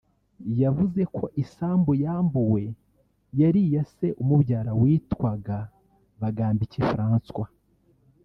yavuze ko isambu yambuwe yari iya se umubyara witwaga Bagambiki François